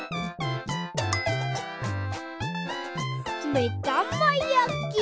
めだまやき！